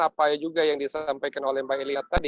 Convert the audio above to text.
apa yang juga yang disampaikan oleh mbak elina tadi